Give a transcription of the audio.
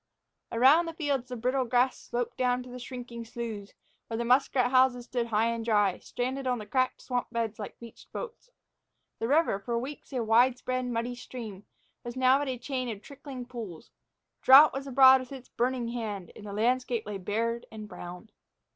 Around the fields the brittle grass sloped down to the shrinking sloughs, where the muskrat houses stood high and dry, stranded on the cracked swamp beds like beached boats. The river, for weeks a wide spread, muddy stream, was now but a chain of trickling pools. Drought was abroad with its burning hand, and the landscape lay bared and brown.